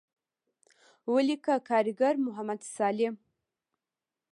وليکه کارګر محمد سالم.